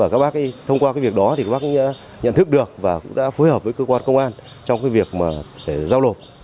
các bác thông qua việc đó thì các bác nhận thức được và cũng đã phối hợp với cơ quan công an trong việc giao lộ